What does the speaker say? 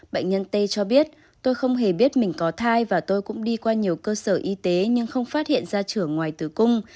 bệnh nhân t cho biết tôi không hề biết mình có thai và tôi cũng đi qua nhiều cơ sở y tế nhưng không phát hiện ra trưởng ngoài tử cung